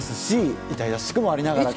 痛々しくもありながら。